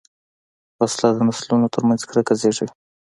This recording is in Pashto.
وسله د نسلونو تر منځ کرکه زېږوي